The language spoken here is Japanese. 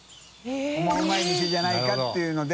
オモウマい店じゃないかっていうので。